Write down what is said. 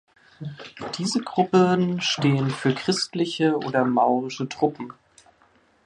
Diese Gruppen stehen für christliche oder maurische Truppen.